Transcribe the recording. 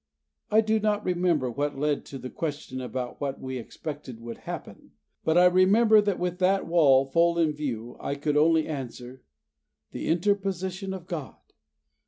I do not remember what led to the question about what we expected would happen; but I remember that with that wall full in view I could only answer, "The interposition of God."